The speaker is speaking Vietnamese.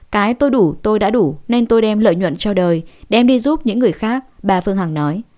cái tôi đủ tôi đã đủ nên tôi đem lợi nhuận cho đời đem đi giúp những người khác bà phương hằng nói